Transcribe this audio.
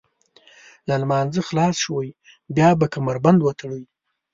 له لمانځه خلاص شوئ بیا به کمربند وتړئ.